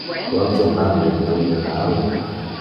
Qual jornal lege tu in general?